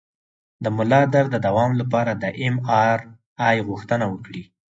د ملا درد د دوام لپاره د ایم آر آی غوښتنه وکړئ